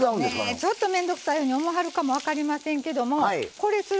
ちょっと面倒くさいように思わはるかもわかりませんけどこれする